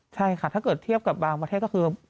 ใช่ค่ะถ้าเกิดเทียบกับบางประเทศก็คือ